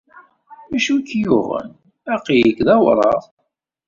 D acu ay k-yuɣen? Aql-ik d awraɣ.